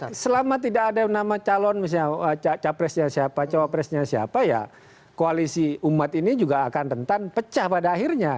nah selama tidak ada nama calon misalnya capresnya siapa cawapresnya siapa ya koalisi umat ini juga akan rentan pecah pada akhirnya